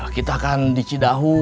kita kan di cidahu